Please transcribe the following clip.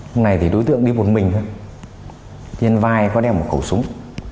hôm nay thì đối tượng đi một mình thôi trên vai có đeo một khẩu súng